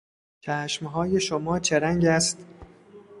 چشمهای شما چه رنگ است؟